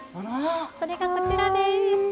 それがこちらです。